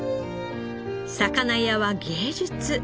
「魚屋は芸術」